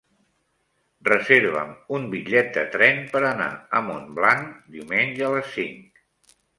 Reserva'm un bitllet de tren per anar a Montblanc diumenge a les cinc.